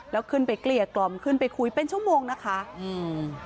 แล้วขึ้นไปเกลี้ยกล่อมขึ้นไปคุยเป็นชั่วโมงนะคะอืม